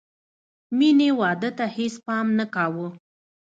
مینې واده ته هېڅ پام نه کاوه